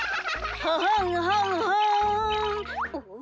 「ははんはんはん」ん？